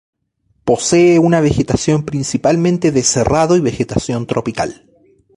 Posee una vegetación principalmente de Cerrado y vegetación tropical.